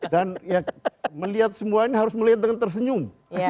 dan melihat semua ini harus melihat dengan tersenyum